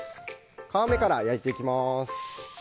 皮目から焼いていきます。